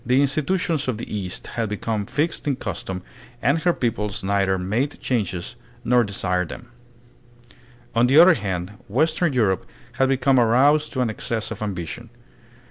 The institutions of the East had become fixed in custom and her peoples neither made changes nor desired them. On the other hand western Europe had become aroused to an excess of ambition.